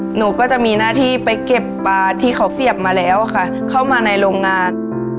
หนูก็จะมีหน้าที่ไปเก็บปลาที่เขาเสียบมาแล้วค่ะเข้ามาในโรงงาน